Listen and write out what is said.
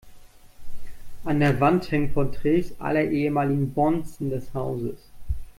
An der Wand hängen Porträts aller ehemaligen Bonzen des Hauses.